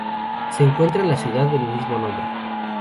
Se encuentra en la ciudad del mismo nombre.